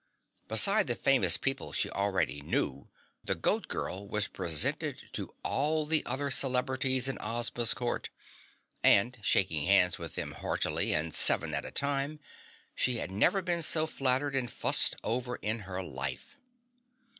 Besides the famous people she already knew, the Goat Girl was presented to all the other celebrities at Ozma's court, and shaking hands with them heartily and seven at a time, she had never been so flattered and fussed over in her life.